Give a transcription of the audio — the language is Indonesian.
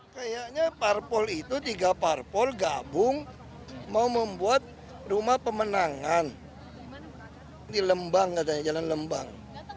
kayaknya parpol itu tiga parpol gabung mau membuat rumah pemenangan di lembang katanya jalan lembang